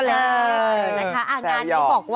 ตัวเล็กแสดงว่าตัวเล็ก